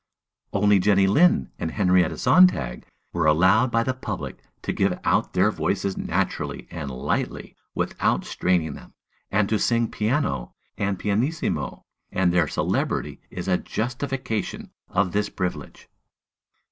"Only Jenny Lind and Henrietta Sontag were allowed by the public to give out their voices naturally and lightly without straining them, and to sing piano and pianissimo, and their celebrity is a justification of this privilege."